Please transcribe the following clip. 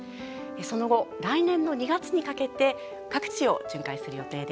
その後、来年の２月にかけて各地を巡回する予定です。